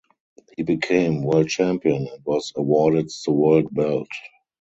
He became World Champion and was awarded the world belt.